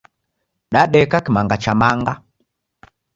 Dadeka kimanga cha manga.